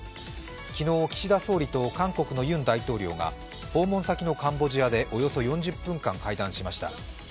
昨日、岸田総理と韓国のユン大統領が訪問先のカンボジアでおよそ４０分間、会談しました。